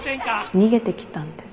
逃げてきたんです。